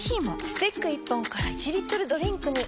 スティック１本から１リットルドリンクに！